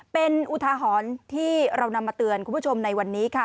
เป็นอุทหรณ์ที่เรานำมาเตือนคุณผู้ชมในวันนี้ค่ะ